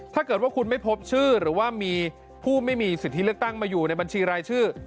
ถ้าเกิดว่าคุณไม่พบชื่อหรือว่ามีผู้ไม่มีสิทธิเลือกตั้งมาอยู่ในบัญชีรายชื่อ